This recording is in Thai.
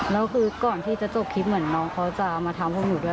แล้วคือก่อนที่จะจบคลิปเหมือนน้องเขาจะมาทำพวกหนูด้วย